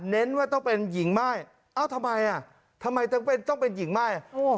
เน้นว่าต้องเป็นหญิงม่ายเอ้าทำไมอ่ะทำไมต้องเป็นหญิงไหม้